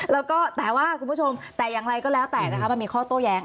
แล้วก็แต่ว่าคุณผู้ชมแต่อย่างไรก็แล้วแต่นะคะมันมีข้อโต้แย้ง